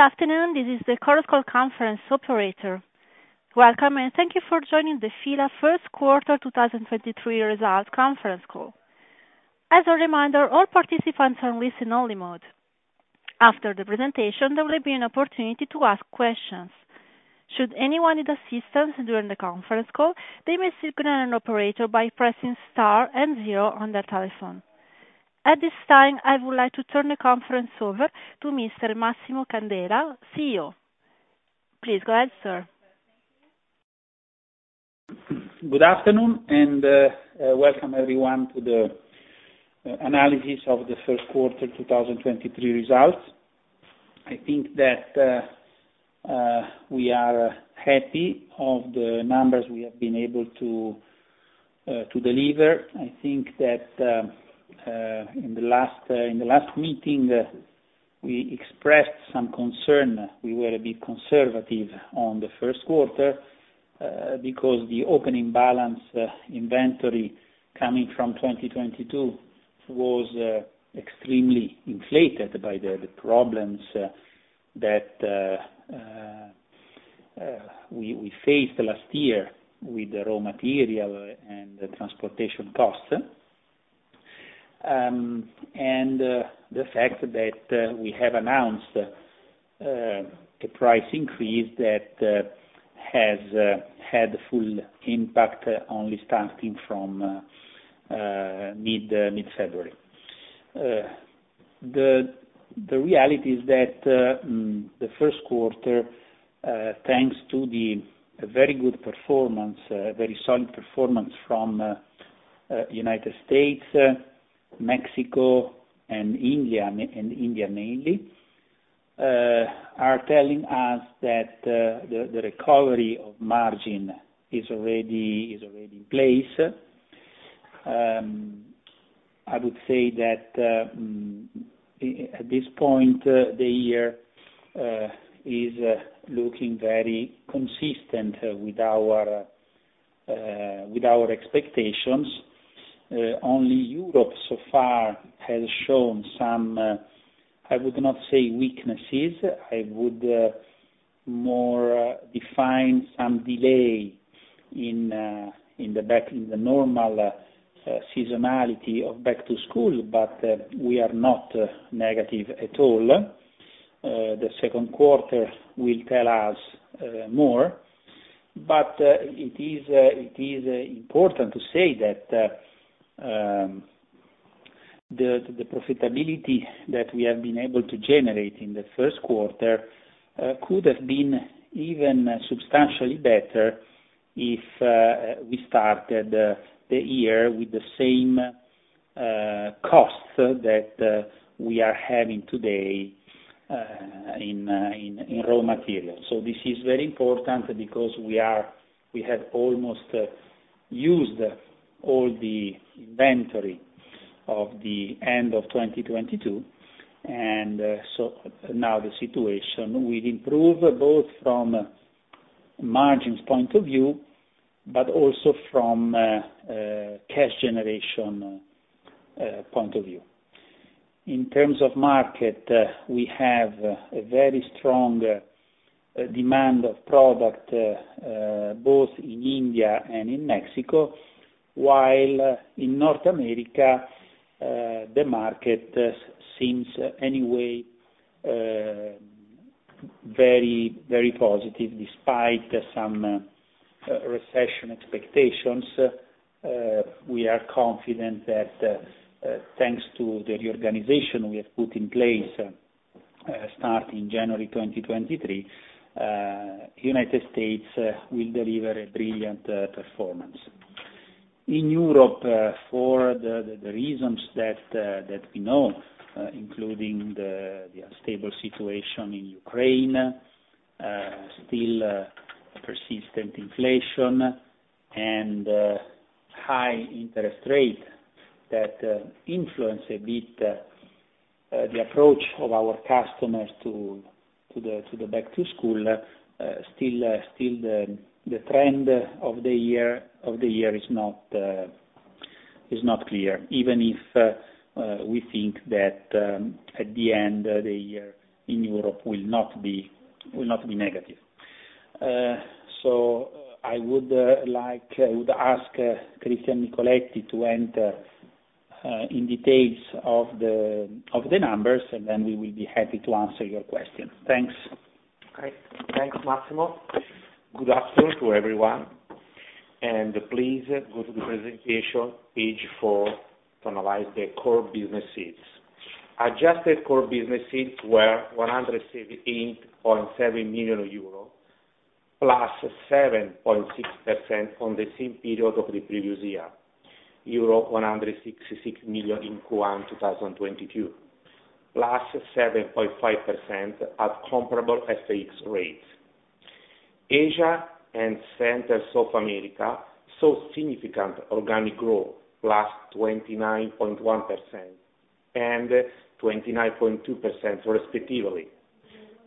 Good afternoon. This is the Chorus Call conference operator. Welcome, thank you for joining the F.I.L.A. first quarter 2023 results conference call. As a reminder, all participants are in listen only mode. After the presentation, there will be an opportunity to ask questions. Should anyone need assistance during the conference call, they may signal an operator by pressing star and zero on their telephone. At this time, I would like to turn the conference over to Mr. Massimo Candela, CEO. Please go ahead, sir. Good afternoon, welcome everyone to the analysis of the first quarter 2023 results. I think that we are happy of the numbers we have been able to deliver. I think that in the last meeting, we expressed some concern. We were a bit conservative on the first quarter because the opening balance inventory coming from 2022 was extremely inflated by the problems that we faced last year with the raw material and the transportation costs. The fact that we have announced a price increase that has had full impact only starting from mid-February. hat the first quarter, thanks to the very good performance, very solid performance from United States, Mexico, and India mainly, are telling us that the recovery of margin is already, is already in place. I would say that at this point, the year is looking very consistent with our, with our expectations. Only Europe so far has shown some, I would not say weaknesses. I would more define some delay in the normal seasonality of back-to-school, but we are not negative at all. The second quarter will tell us more. It is important to say that the profitability that we have been able to generate in the first quarter could have been even substantially better if we started the year with the same costs that we are having today in raw materials. This is very important because we have almost used all the inventory of the end of 2022. Now the situation will improve both from margins point of view but also from a cash generation point of view. In terms of market, we have a very strong demand of product both in India and in Mexico, while in North America, the market seems anyway very, very positive despite some recession expectations. We are confident that, thanks to the reorganization we have put in place, starting January 2023, United States will deliver a brilliant performance. In Europe, for the reasons that we know, including the unstable situation in Ukraine, still persistent inflation and high interest rate that influence a bit the approach of our customers to the back-to-school, still the trend of the year is not clear. Even if we think that at the end of the year in Europe will not be negative. I would ask Cristian Nicoletti to enter in details of the numbers, and then we will be happy to answer your questions. Thanks. Great. Thanks, Massimo. Good afternoon to everyone. Please go to the presentation page four to analyze the Core Business Sales. Adjusted core business sales were 168.7 million euros, +7.6% on the same period of the previous year. Euro 166 million in Q1 2022, +7.5% at comparable FX rates. Asia and Central America saw significant organic growth, +29.1% and 29.2% respectively,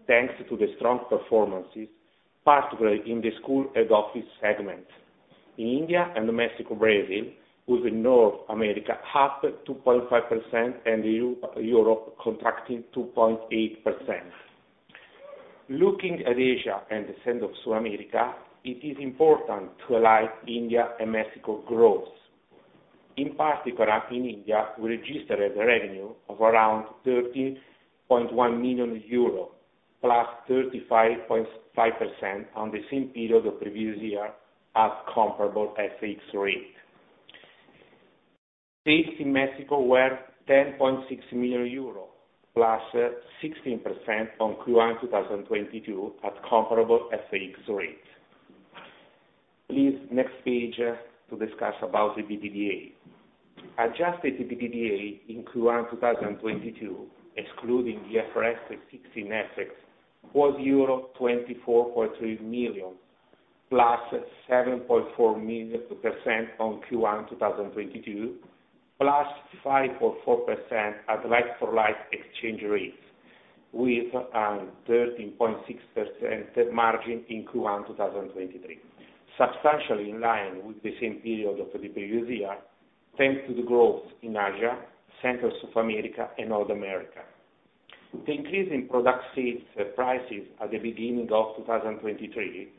thanks to the strong performances, particularly in the School & Office segment. India and Mexico, Brazil, with North America up 2.5% and Europe contracting 2.8%. Looking at Asia and Central America, it is important to align India and Mexico growth. In particular, in India, we registered the revenue of around 30.1 million euro, +35.5% on the same period of previous year at comparable FX rate. Sales in Mexico were 10.6 million euro, +16% on Q1 2022 at comparable FX rate. Please, next page to discuss about EBITDA. Adjusted EBITDA in Q1 2022, excluding IFRS 16 effects, was EUR 24.3 million, +7.4% on Q1 2022, +5.4% at like-for-like exchange rates, with 13.6% margin in Q1 2023, substantially in line with the same period of the previous year, thanks to the growth in Asia, Central America, and North America. The increase in product sales, prices at the beginning of 2023,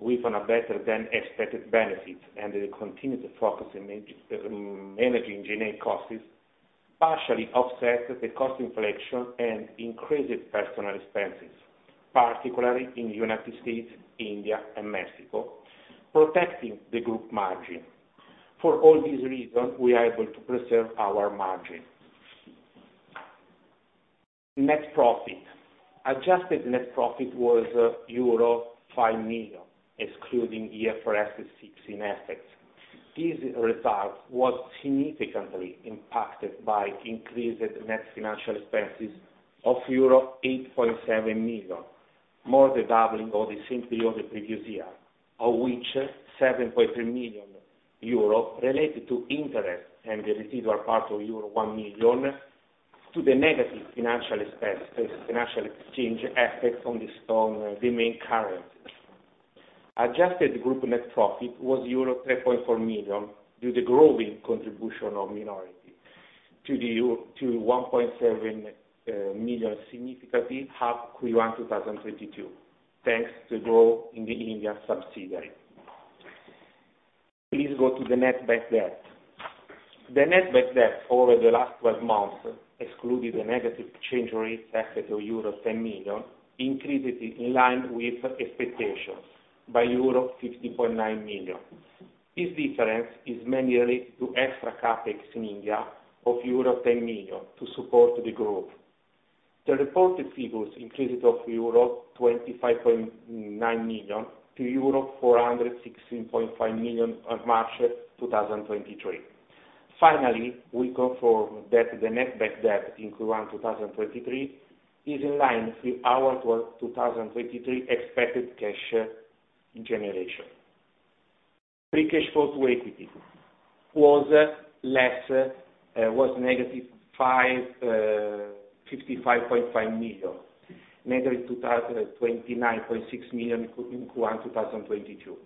with a better-than-expected benefit and a continued focus in managing general costs, partially offset the cost inflation and increased personal expenses, particularly in the United States, India, and Mexico, protecting the group margin. For all these reasons, we are able to preserve our margin. Net profit. Adjusted net profit was euro 5 million, excluding IFRS 16 effects. This result was significantly impacted by increased net financial expenses of euro 8.7 million, more than doubling of the same period the previous year, of which 7.3 million euro related to interest and the residual part of euro 1 million to the negative financial expense, financial exchange effects on the strong main currencies. Adjusted group net profit was euro 3.4 million due to growing contribution of minority to 1.7 million euro, significantly up Q1 2022, thanks to growth in the India subsidiary. Please go to the Net Bank Debt. The Net Bank Debt over the last 12 months, excluding the negative exchange rate effect of euro 10 million, increased it in line with expectations by euro 15.9 million. This difference is mainly related to extra CapEx in India of euro 10 million to support the growth. The reported figures increased of euro 25.9 million to euro 416.5 million on March 2023. Finally, we confirm that the Net Bank Debt in Q1 2023 is in line with our 12/2023 expected cash generation. Free cash flow to equity was negative 55.5 million, negative 29.6 million in Q1 2022.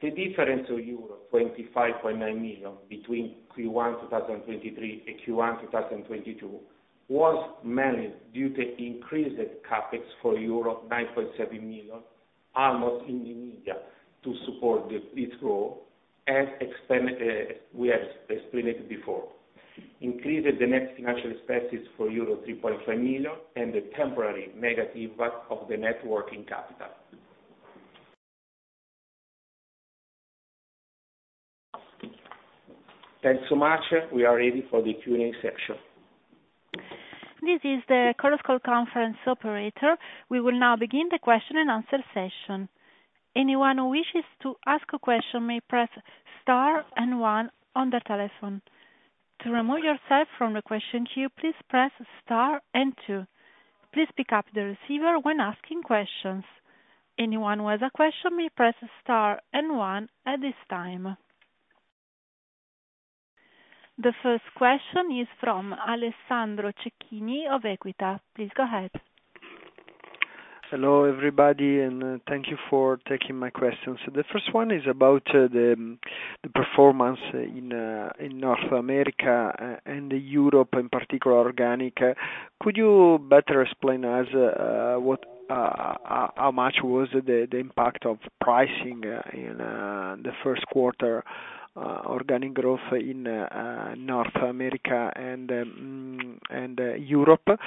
The difference of euro 25.9 million between Q1 2023 and Q1 2022 was mainly due to increased CapEx for 9.7 million, almost in India, to support its growth, as explained, we have explained it before. Increased the net financial expenses for euro 3.5 million and the temporary negative impact of the net working capital. Thanks so much. We are ready for the Q&A section. This is the Chorus Call conference operator. We will now begin the question and answer session. Anyone who wishes to ask a question may press star one on the telephone. To remove yourself from the question queue, please press star two. Please pick up the receiver when asking questions. Anyone who has a question may press star one at this time. The first question is from Alessandro Cecchini of EQUITA. Please go ahead. Hello, everybody, and thank you for taking my questions. The first one is about the performance in North America and Europe, in particular, organic. Could you better explain us what how much was the impact of pricing in the first quarter organic growth in North America and Europe?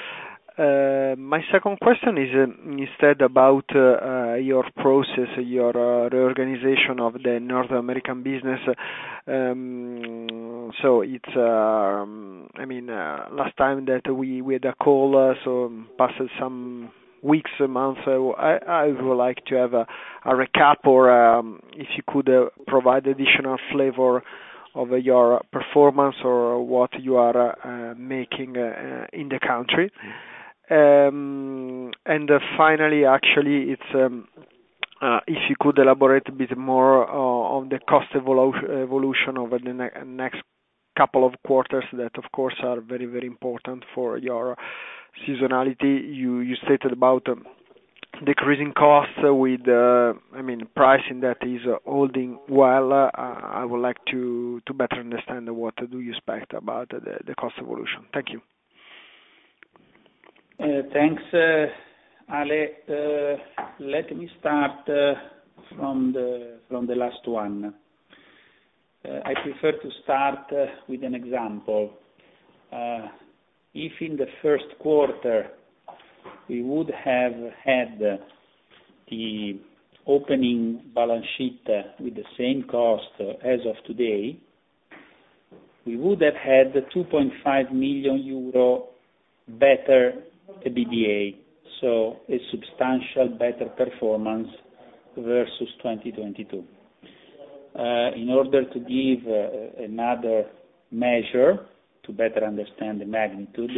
My second question is instead about your process, your reorganization of the North American business. It's, I mean, last time that we had a call, so passed some weeks, months. I would like to have a recap or if you could provide additional flavor of your performance or what you are making in the country. Finally, actually it's, if you could elaborate a bit more on the cost evolution over the next couple of quarters, that of course are very, very important for your seasonality. You, you stated about, decreasing costs with, I mean, pricing that is holding well. I would like to better understand what do you expect about the cost evolution. Thank you. Thanks, Ale. Let me start from the last one. I prefer to start with an example. If in the first quarter we would have had the opening balance sheet with the same cost as of today, we would have had 2.5 million euro better EBITDA, so a substantial better performance versus 2022. In order to give another measure to better understand the magnitude,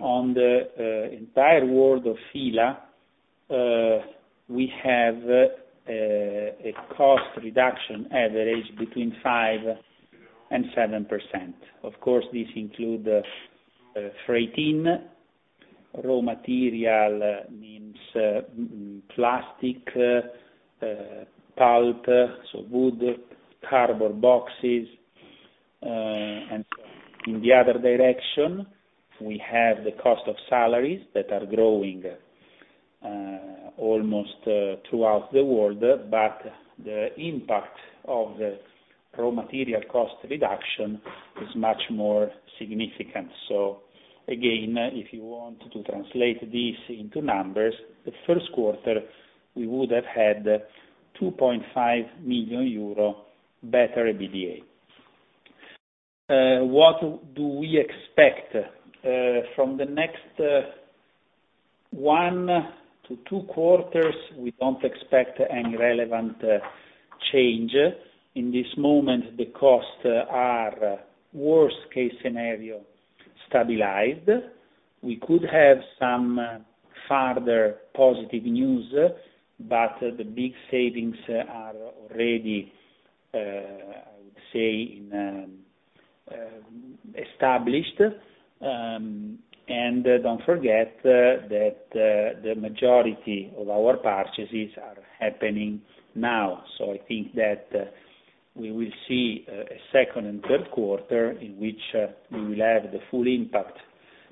on the entire world of F.I.L.A., we have a cost reduction average between 5% and 7%. Of course, this include freight in, raw material, means plastic, pulp, so wood, cardboard boxes. In the other direction, we have the cost of salaries that are growing almost throughout the world, but the impact of the raw material cost reduction is much more significant. Again, if you want to translate this into numbers, the first quarter, we would have had 2.5 million euro better EBITDA. What do we expect? From the next one to two quarters, we don't expect any relevant change. In this moment, the costs are, worst case scenario, stabilized. We could have some farther positive news, but the big savings are already, I would say, established. Don't forget that the majority of our purchases are happening now. I think that we will see a second and third quarter in which we will have the full impact,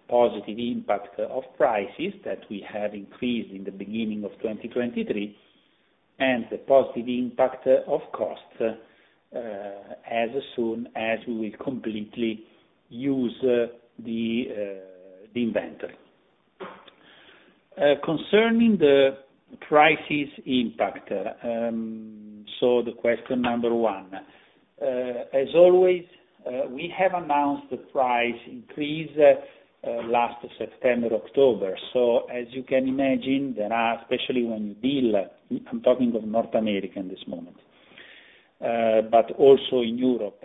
positive impact of prices that we have increased in the beginning of 2023, and the positive impact of costs as soon as we will completely use the inventory. Concerning the prices impact, the question number one. As always, we have announced the price increase last September, October. As you can imagine, there are, especially when you deal, I'm talking of North America in this moment, but also in Europe,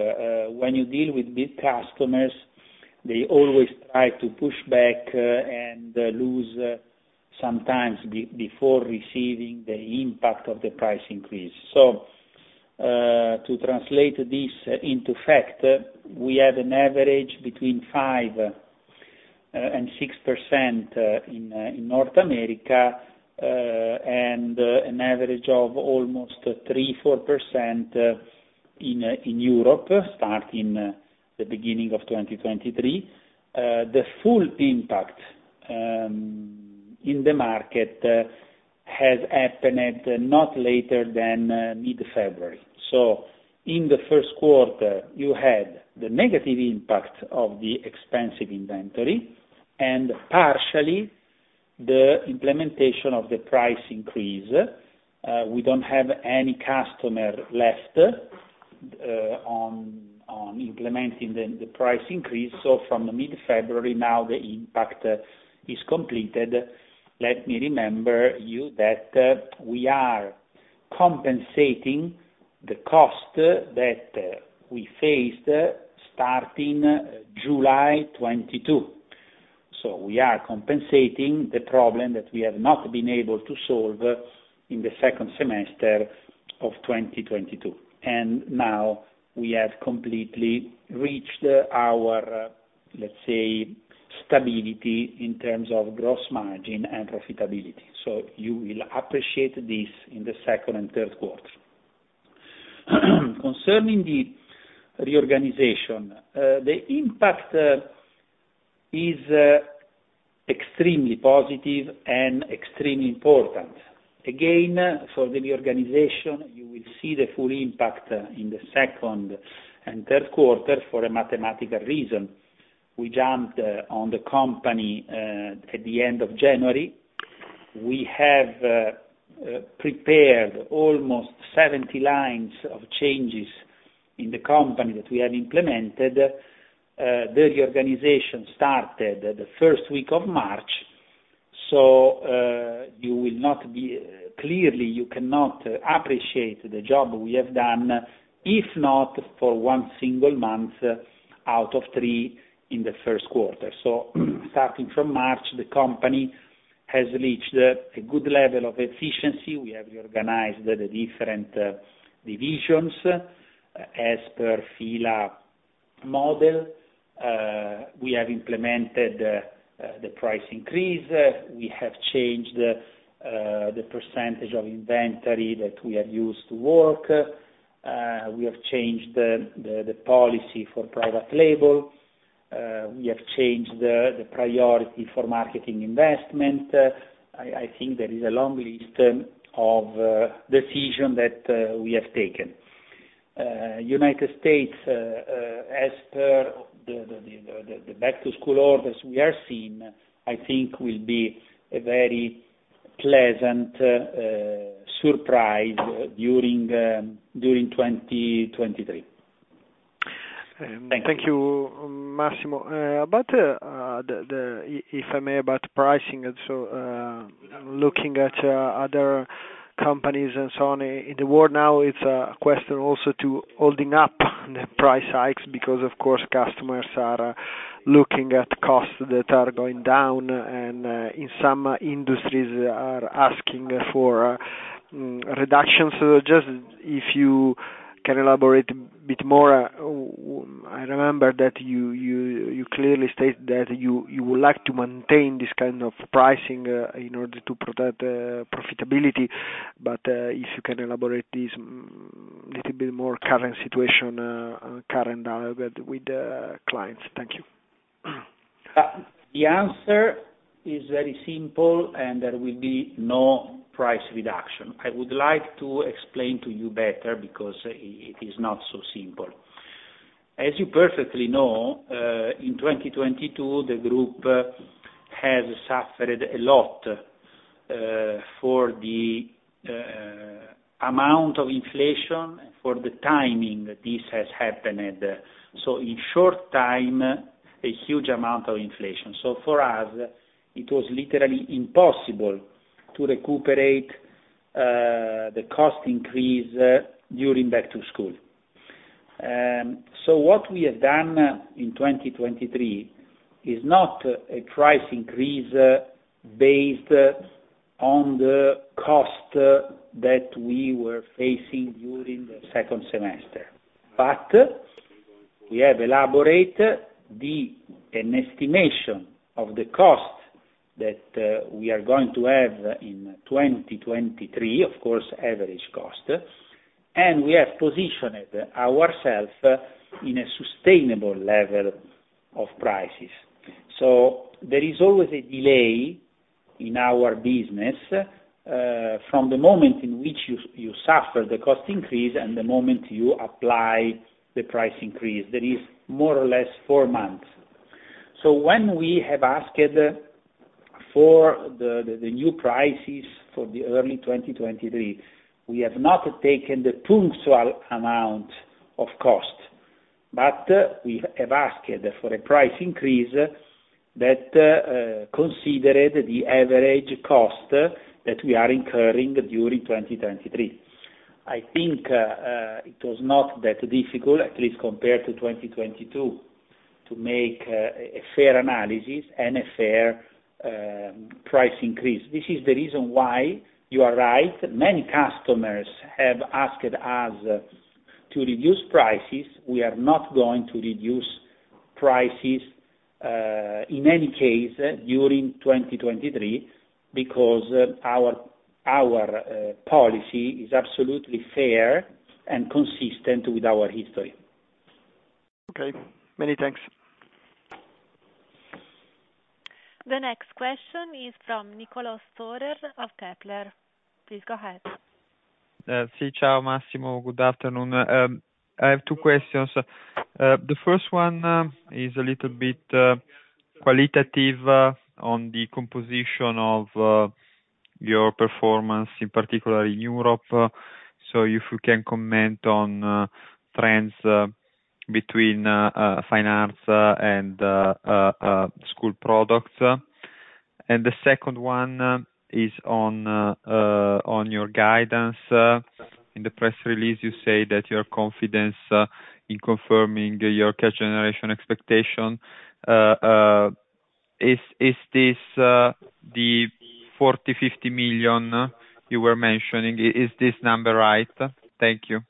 when you deal with big customers, they always try to push back and lose sometimes before receiving the impact of the price increase. To translate this into fact, we have an average between 5% and 6% in North America, and an average of almost 3%, 4% in Europe, starting the beginning of 2023. The full impact in the market has happened at not later than mid-February. In the first quarter, you had the negative impact of the expensive inventory and partially the implementation of the price increase. We don't have any customer left on implementing the price increase. From mid-February now, the impact is completed. Let me remember you that we are compensating the cost that we faced starting July 2022. We are compensating the problem that we have not been able to solve in the second semester of 2022. Now we have completely reached our, let's say, stability in terms of gross margin and profitability. You will appreciate this in the second and third quarter. Concerning the reorganization, the impact is extremely positive and extremely important. Again, for the reorganization, you will see the full impact in the second and third quarter for a mathematical reason. We jumped on the company at the end of January. We have prepared almost 70 lines of changes in the company that we have implemented. The reorganization started the first week of March. Clearly, you cannot appreciate the job we have done, if not for one single month out of three in the first quarter. Starting from March, the company has reached a good level of efficiency. We have reorganized the different divisions as per F.I.L.A. strategy model, we have implemented the price increase. We have changed the percentage of inventory that we have used to work. We have changed the policy for private label. We have changed the priority for marketing investment. I think there is a long list of decision that we have taken. United States, as per the back-to-school orders we are seeing, I think will be a very pleasant surprise during 2023. Thank you, Massimo. About, if I may, about pricing and so, looking at other companies and so on in the world now, it's a question also to holding up the price hikes because of course customers are looking at costs that are going down, and in some industries are asking for reductions. Just if you can elaborate a bit more. I remember that you clearly state that you would like to maintain this kind of pricing in order to protect profitability. If you can elaborate this little bit more current situation, current dialogue with the clients. Thank you. The answer is very simple, and there will be no price reduction. I would like to explain to you better because it is not so simple. As you perfectly know, in 2022, the group has suffered a lot for the amount of inflation, for the timing that this has happened. In short time, a huge amount of inflation. For us, it was literally impossible to recuperate the cost increase during back-to-school. What we have done in 2023 is not a price increase based on the cost that we were facing during the second semester. We have elaborated an estimation of the cost that we are going to have in 2023, of course, average cost, and we have positioned ourselves in a sustainable level of prices. There is always a delay in our business from the moment in which you suffer the cost increase and the moment you apply the price increase. There is more or less four months. When we have asked for the new prices for the early 2023, we have not taken the punctual amount of cost, but we have asked for a price increase that considered the average cost that we are incurring during 2023. I think it was not that difficult, at least compared to 2022, to make a fair analysis and a fair price increase. This is the reason why you are right. Many customers have asked us to reduce prices. We are not going to reduce prices, in any case during 2023, because our policy is absolutely fair and consistent with our history. Okay. Many thanks. The next question is from Niccolo Storer of Kepler. Please go ahead. Ciao, Massimo. Good afternoon. I have two questions. The first one is a little bit qualitative on the composition of your performance, in particular in Europe. If you can comment on trends between Fine Art and School products. The second one is on your guidance. In the press release, you say that your confidence in confirming your cash generation expectation, is this the 40 million, 50 million you were mentioning? Is this number right? Thank you.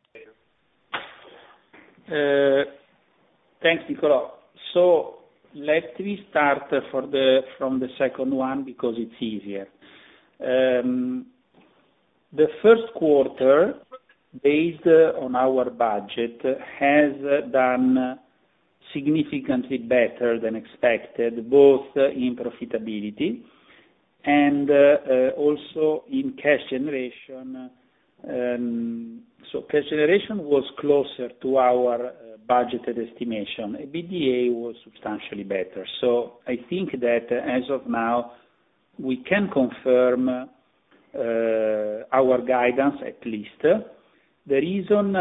Thanks, Niccolo. Let me start from the second one because it's easier. The first quarter, based on our budget, has done significantly better than expected, both in profitability and also in cash generation. Cash generation was closer to our budgeted estimation. EBITDA was substantially better. I think that as of now we can confirm our guidance at least. The reason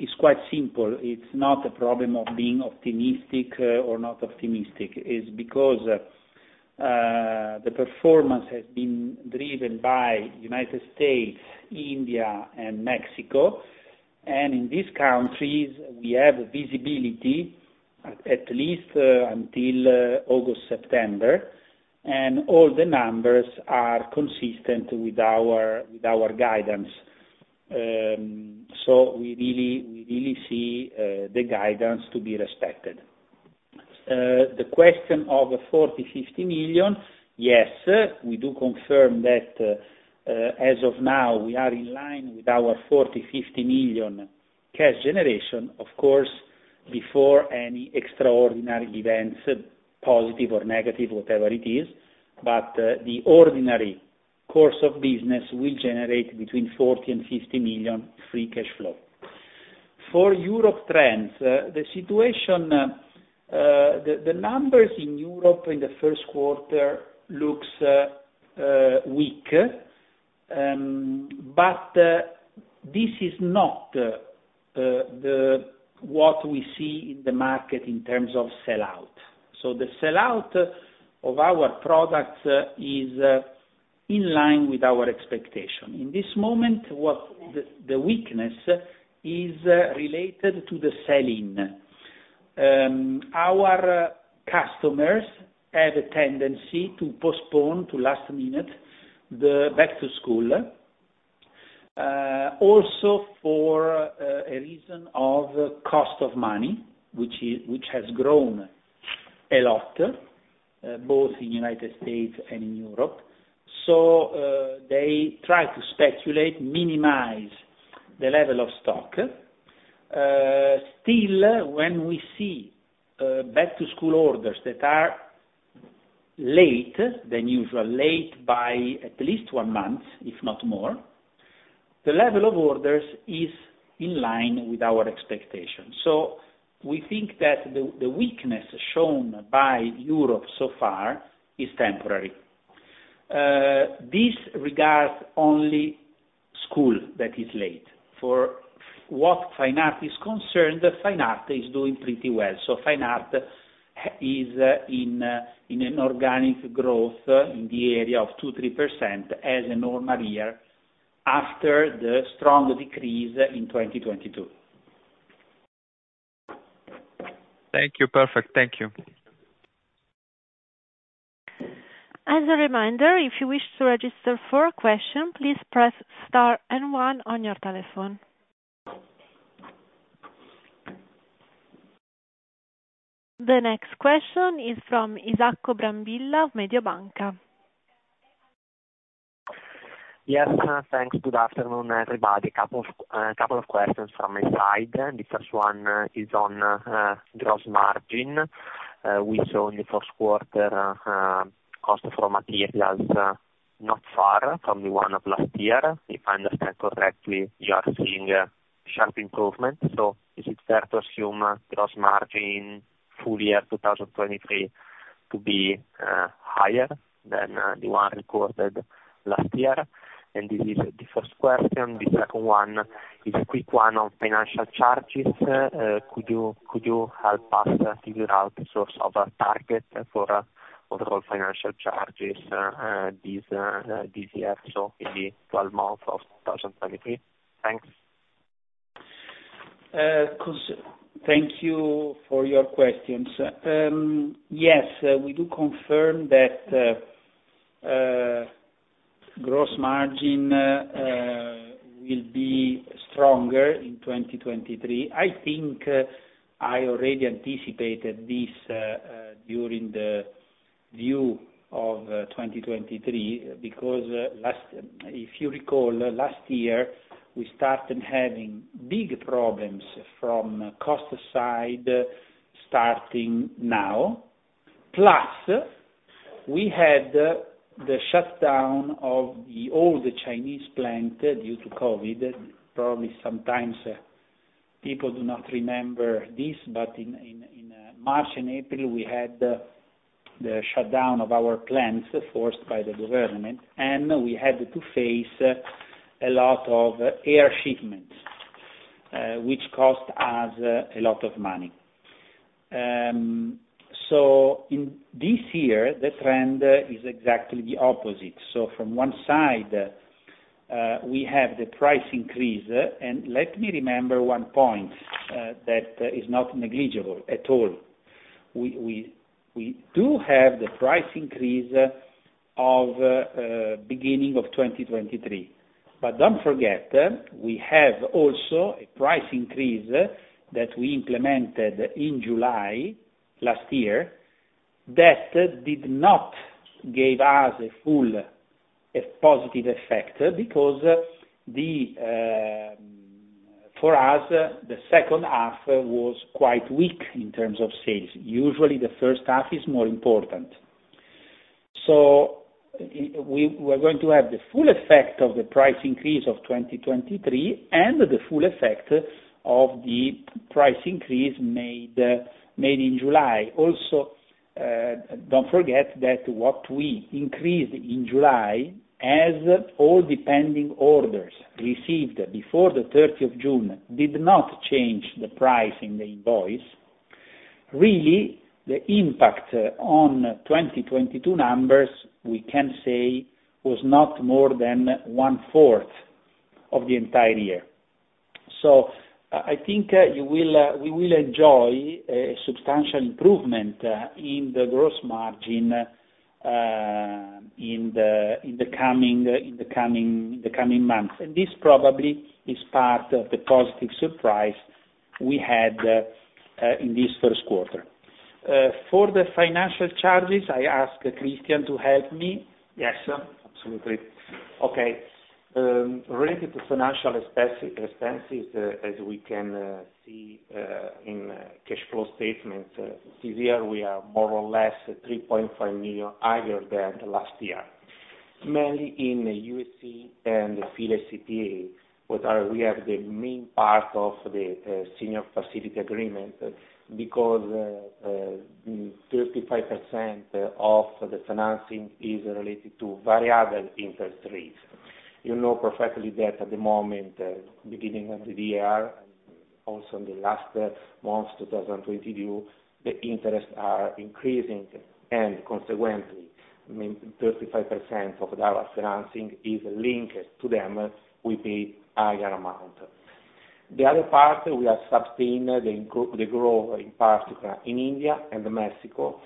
is quite simple. It's not a problem of being optimistic or not optimistic. It's because the performance has been driven by United States, India and Mexico. In these countries we have visibility at least until August, September, and all the numbers are consistent with our guidance. We really, we really see the guidance to be respected. The question of 40 million, 50 million, yes, we do confirm that, as of now, we are in line with our 40 million, 50 million cash generation, of course, before any extraordinary events, positive or negative, whatever it is. The ordinary course of business will generate between 40 million and 50 million free cash flow. For Europe trends, the situation, the numbers in Europe in the first quarter looks weak. This is not what we see in the market in terms of sell-out. The sell-out of our products is in line with our expectation. In this moment, what the weakness is related to the sell-in. Our customers have a tendency to postpone to last minute the back-to-school, also for a reason of cost of money, which has grown a lot, both in the United States and in Europe. They try to speculate, minimize the level of stock. Still, when we see back-to-school orders that are late than usual, late by at least one month, if not more, the level of orders is in line with our expectations. We think that the weakness shown by Europe so far is temporary. This regards only school that is late. For what Fine Art is concerned, Fine Art is doing pretty well. Fine Art is in an organic growth in the area of 2%-3% as a normal year after the strong decrease in 2022. Thank you. Perfect. Thank you. As a reminder, if you wish to register for a question, please press star one on your telephone. The next question is from Isacco Brambilla of Mediobanca. Yes, thanks. Good afternoon, everybody. A couple of questions from my side. The first one is on gross margin. We saw in the first quarter cost for materials not far from the one of last year. If I understand correctly, you are seeing a sharp improvement. Is it fair to assume gross margin full-year 2023 to be higher than the one recorded last year? This is the first question. The second one is a quick one on financial charges. Could you help us figure out the source of a target for overall financial charges this year, so in the 12 months of 2023? Thanks. Thank you for your questions. Yes, we do confirm that gross margin will be stronger in 2023. I think I already anticipated this during the view of 2023 because if you recall, last year, we started having big problems from cost side starting now. We had the shutdown of the all the Chinese plant due to COVID. Probably sometimes people do not remember this, but in March and April, we had the shutdown of our plants forced by the government, and we had to face a lot of air shipments, which cost us a lot of money. In this year, the trend is exactly the opposite. From one side, we have the price increase. Let me remember one point that is not negligible at all. We do have the price increase of beginning of 2023. Don't forget, we have also a price increase that we implemented in July 2022 that did not give us a full positive effect because the for us, the second half was quite weak in terms of sales. Usually, the first half is more important. We're going to have the full effect of the price increase of 2023 and the full effect of the price increase made in July. Don't forget that what we increased in July, as all the pending orders received before the 30 of June did not change the price in the invoice. Really, the impact on 2022 numbers, we can say was not more than 1/4 of the entire year. I think we will enjoy a substantial improvement in the gross margin in the coming months. This probably is part of the positive surprise we had in this first quarter. For the financial charges, I ask Cristian to help me. Yes, sir. Absolutely. Okay. Related to financial expenses, as we can see in cash flow statement, this year we are more or less 3.5 million higher than the last year. Mainly in the UC and F.I.L.A. S.p.A., which are, we are the main part of the senior facility agreement, because 35% of the financing is related to variable interest rates. You know perfectly that at the moment, beginning of the year, also in the last months, 2022, the interests are increasing and consequently, I mean, 35% of our financing is linked to them will be higher amount. The other part, we have sustained the growth in particular in India and Mexico,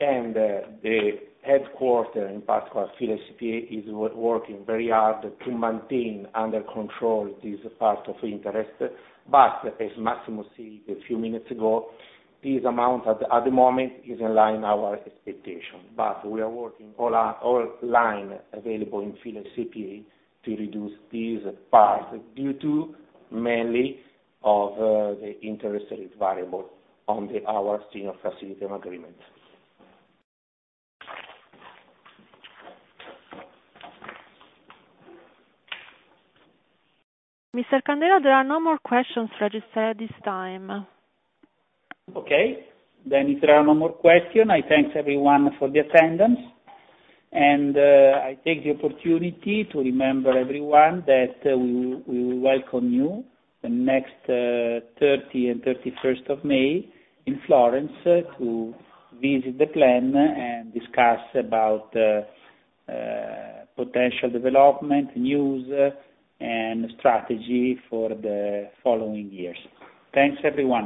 the headquarter, in particular, F.I.L.A. S.p.A, is working very hard to maintain under control this part of interest. As Massimo said a few minutes ago, this amount at the moment is in line our expectation. We are working all line available in F.I.L.A. S.p.A to reduce this part due to mainly of the interest rate variable on our senior facilities agreement. Mr. Candela, there are no more questions registered at this time. Okay. If there are no more question, I thank everyone for the attendance. I take the opportunity to remember everyone that we welcome you the next 30th and 31st of May in Florence to visit the plant and discuss about potential development, news and strategy for the following years. Thanks, everyone.